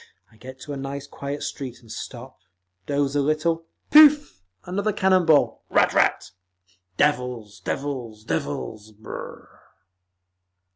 I get to a nice quiet street and stop, doze a little, pooff! another cannon ball, ratt ratt…. Devils! Devils! Devils! Brrr!"